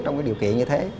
trong cái điều kiện như thế